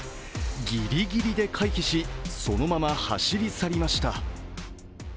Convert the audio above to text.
ギリギリで回避しそのまま走り去りました。